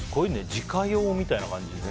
自家用みたいな感じ。